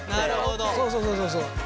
そうそうそうそうそう。